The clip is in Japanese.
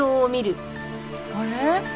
あれ？